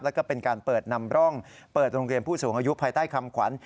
แล้วก็เป็นการเปิดนำร่องเปิดโรงเรียนผู้สูงอายุภายใต้คำขวัญ